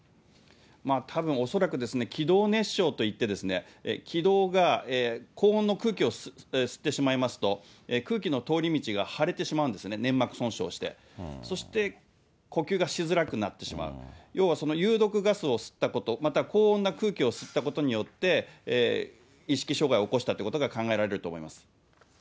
たぶん、恐らくですね、気道熱傷といって、気道が高温の空気を吸ってしまいますと、空気の通り道がはれてしまうんですね、粘膜損傷して、そして呼吸がしづらくなってしまう、要はその有毒ガスを吸ったこと、または高温の空気を吸ったことによって、意識障害を起こしたということが考えられると思います。